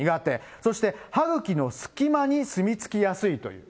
そして歯ぐきの隙間に住み着きやすいということ。